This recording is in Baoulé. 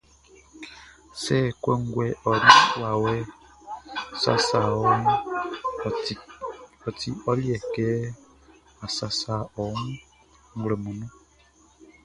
Sɛ kɔnguɛʼn ɔ ninʼn i wawɛʼn sasa wɔʼn, ɔ ti ɔ liɛ kɛ a sasa ɔ wun nglɛmun nunʼn.